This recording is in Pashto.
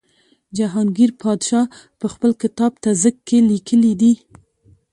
جهانګیر پادشاه په خپل کتاب تزک کې لیکلي دي.